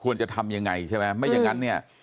จะทำยังไงใช่ไหมไม่อย่างนั้นเนี่ย